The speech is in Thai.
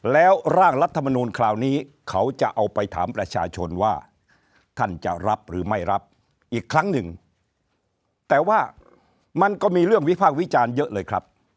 แล้วร่างรัฐมนูลคราวนี้เขาจะเอาไปถามประชาชนว่าท่านจะรับหรือไม่รับอีกครั้งหนึ่งแต่ว่ามันก็มีเรื่องวิพากษ์วิจารณ์เยอะเลยครับ